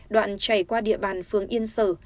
đoạn chảy qua địa bàn phường yên sở